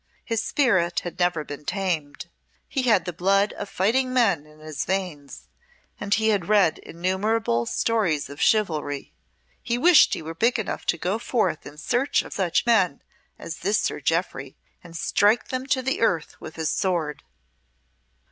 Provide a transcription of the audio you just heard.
His spirit had never been tamed, he had the blood of fighting men in his veins, and he had read innumerable stories of chivalry. He wished he were big enough to go forth in search of such men as this Sir Jeoffry, and strike them to the earth with his sword.